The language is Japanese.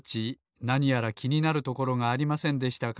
なにやらきになるところがありませんでしたか？